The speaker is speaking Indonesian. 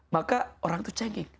maka orang itu cengeng